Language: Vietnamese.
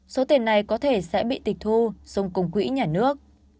số tiền này có thể sẽ bị tịch thu dùng cung quỹ nhà nước